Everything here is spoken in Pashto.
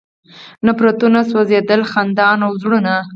نفرتونه سوځېدل، خندان و زړونه